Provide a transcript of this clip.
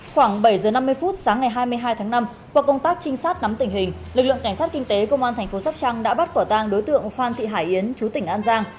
khoảng bảy giờ năm mươi phút sáng ngày hai mươi hai tháng năm qua công tác trinh sát nắm tình hình lực lượng cảnh sát kinh tế công an thành phố sóc trăng đã bắt quả tang đối tượng phan thị hải yến chú tỉnh an giang